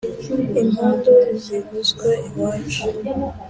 impundu zivuzwe iwacu